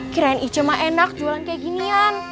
kirain ica mah enak jualan kayak ginian